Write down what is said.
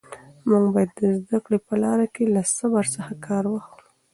موږ باید د زده کړې په لاره کې له صبر څخه کار واخلو.